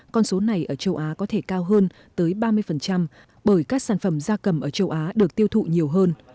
con số này ở châu á có thể cao hơn tới ba mươi bởi các sản phẩm da cầm ở châu á được tiêu thụ nhiều hơn